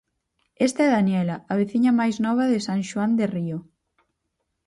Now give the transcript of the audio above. Esta é Daniela, a veciña máis nova de San Xoán de Río.